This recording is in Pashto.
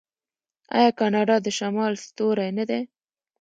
آیا کاناډا د شمال ستوری نه دی؟